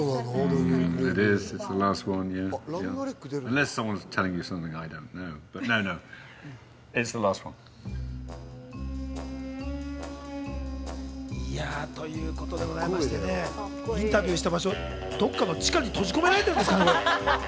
ダニエル・クレイグ。ということでございまして、インタビューしてる場所、どっかの地下に閉じ込められてるんですかね？